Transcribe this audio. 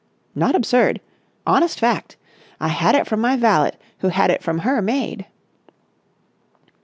"Not absurd. Honest fact. I had it from my valet who had it from her maid."